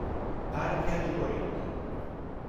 Archia di Corinto